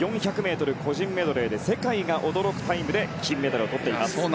４００ｍ個人メドレーで世界が驚くタイムで金メダルをとっています。